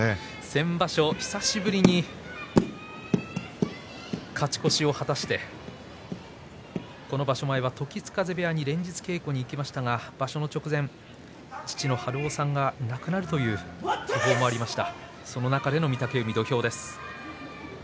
先場所久しぶりに勝ち越しを果たしてこの場所前は時津風部屋に連日稽古に行きしたが場所の直前父の春男さんが亡くなくなるという訃報もありました。